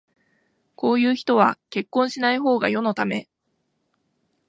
こういう人は結婚しないほうが世のため